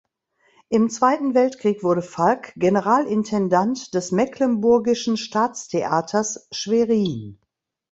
Im Zweiten Weltkrieg wurde Falk Generalintendant des Mecklenburgischen Staatstheaters Schwerin.